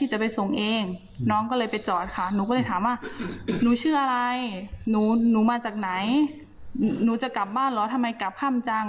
หนูชื่ออะไรหนูมาจากไหนหนูจะกลับบ้านหรอทำไมกลับข้ามจัง